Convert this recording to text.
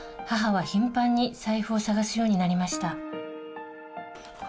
母は頻繁に財布を捜すようになりました